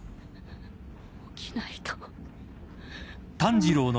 起きないと。